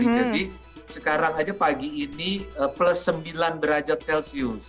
jadi sekarang aja pagi ini plus sembilan derajat celcius